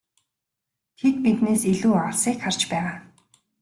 Тэд биднээс илүү алсыг харж байгаа.